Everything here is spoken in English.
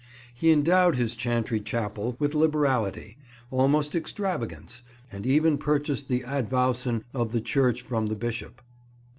He endowed his chantry chapel with liberality; almost extravagance, and even purchased the advowson of the church from the Bishop.